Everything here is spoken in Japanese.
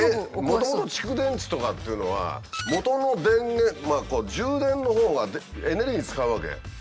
もともと蓄電池とかっていうのはもとの電源充電のほうがエネルギー使うわけ。